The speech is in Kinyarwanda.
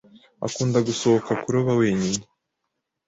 Akunda gusohoka kuroba wenyine.